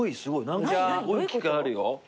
何かすごい機械あるよ。